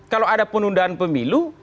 kalau ada penundaan pemilu